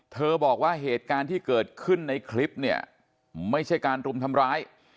บอกว่าเหตุการณ์ที่เกิดขึ้นในคลิปเนี่ยไม่ใช่การรุมทำร้าย